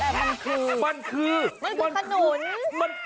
มันคือมันคือมันคือมันคือขนุน